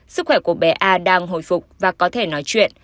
sức khỏe của bé a đang hồi phục và có thể nói chuyện